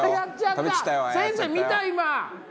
先生見た？